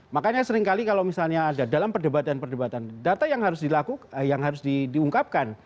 makanya seringkali kalau misalnya ada dalam perdebatan perdebatan data yang harus diungkapkan